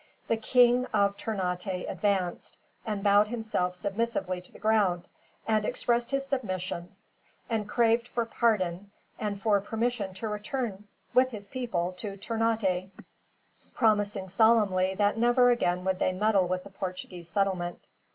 The King of Ternate advanced, and bowed himself submissively to the ground, and expressed his submission; and craved for pardon, and for permission to return with his people to Ternate, promising solemnly that never again would they meddle with the Portuguese settlement.